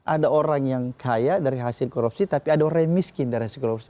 ada orang yang kaya dari hasil korupsi tapi ada orang yang miskin dari hasil korupsi